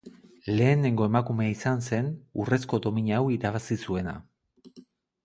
Lehenengo emakumea izan zen Urrezko Domina hau irabazi zuena.